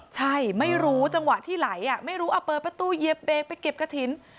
ใช่ไม่รู้จังหวะที่ไหลไม่รู้เปิดประตูเหยียบเบรกไปเก็บกระถิ่น